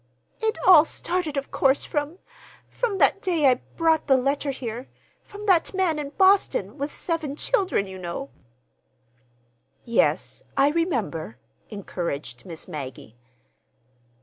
"It all started, of course, from—from that day I brought the letter here—from that man in Boston with seven children, you know." "Yes, I remember," encouraged Miss Maggie.